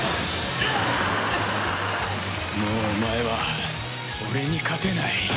もうお前は俺に勝てない。